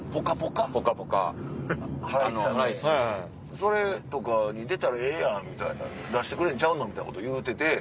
それとかに出たらええやんみたいな出してくれんちゃうの？みたいなこと言うてて。